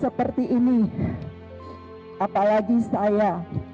seperti ini apalagi saya